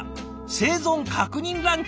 「生存確認ランチ」？